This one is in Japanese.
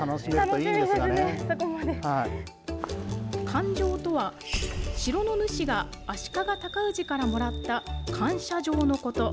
感状とは、城の主が足利尊氏からもらった感謝状のこと。